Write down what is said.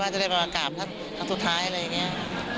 ว่าจะได้มากับท่านครั้งสุดท้ายอะไรอย่างเงี้ย